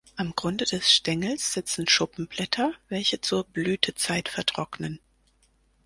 Am Grunde des Stängels sitzen Schuppenblätter, welche zur Blütezeit vertrocknen.